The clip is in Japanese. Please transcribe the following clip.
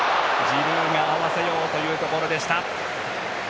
ジルーが合わせようというところでした。